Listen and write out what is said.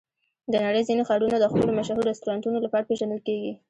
د نړۍ ځینې ښارونه د خپلو مشهور رستورانتونو لپاره پېژندل کېږي.